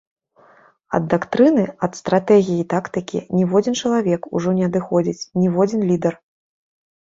Ад дактрыны, ад стратэгіі і тактыкі ніводзін чалавек ужо не адыходзіць, ніводзін лідар!